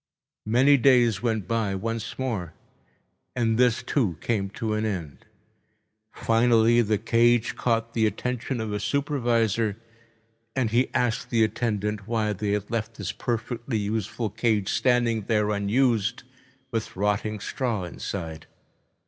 Many days went by once more, and this, too, came to an end. Finally the cage caught the attention of a supervisor, and he asked the attendant why they had left this perfectly useful cage standing here unused with rotting straw inside.